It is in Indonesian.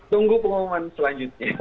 tunggu pengumuman selanjutnya